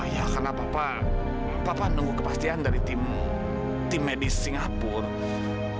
ya karena papa papa nunggu kepastian dari tim tim medis singapura